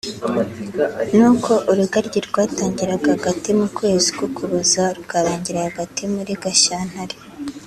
nuko urugaryi rwatangiraga hagati mu kwezi k’Ukuboza rukarangira hagati muri Gashyantare